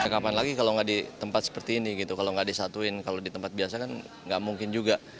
kapan lagi kalau tidak di tempat seperti ini kalau tidak disatuin kalau di tempat biasa kan tidak mungkin juga